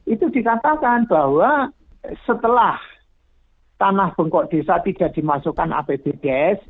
itu dikatakan bahwa setelah tanah bengkok desa tidak dimasukkan apbds